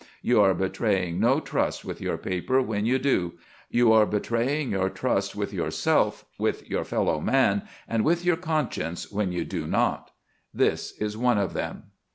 You are betraying no trust with your paper when you do; you are betraying your trust with yourself, with your fellow man, and with your conscience when you do not. This is one of them."